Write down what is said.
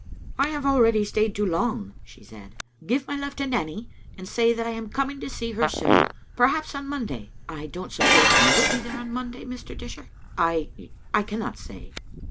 "I have already stayed too long," she said. "Give my love to Nanny, and say that I am coming to see her soon, perhaps on Monday. I don't suppose you will be there on Monday, Mr. Dishart?" "I — I cannot say."